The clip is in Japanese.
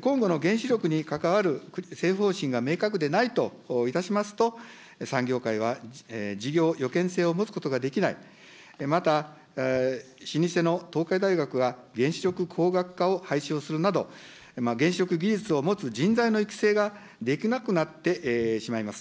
今後の原子力に関わる政府方針が明確でないといたしますと、産業界は事業よけんせいを持つことができない、また老舗の東海大学は原子力こうがくかを廃止をするなど、原子力技術を持つ人材の育成ができなくなってしまいます。